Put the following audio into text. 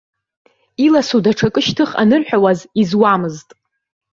Иласу даҽакы шьҭых анырҳәауаз изуамызт.